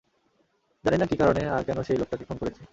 জানি না কী কারণে আর কেন সেই লোকটাকে খুন করেছে।